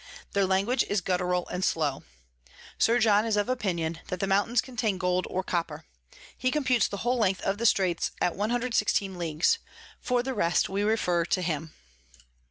Their Language is guttural and slow. Sir John is of opinion, that the Mountains contain Gold or Copper. He computes the whole Length of the Straits at 116 Leagues. For the rest we refer to him.